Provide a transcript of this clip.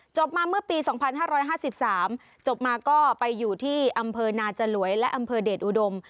มาเมื่อปี๒๕๕๓จบมาก็ไปอยู่ที่อำเภอนาจลวยและอำเภอเดชอุดม